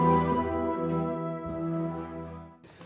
kita akan berpikir bahwa kamu sudah menikah